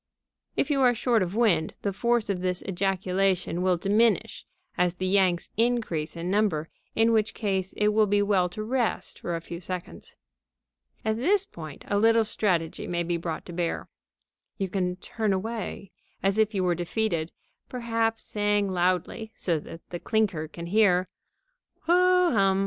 If you are short of wind, the force of this ejaculation may diminish as the yanks increase in number, in which case it will be well to rest for a few seconds. At this point a little strategy may be brought to bear. You can turn away, as if you were defeated, perhaps saying loudly, so that the clinker can hear: "Ho hum!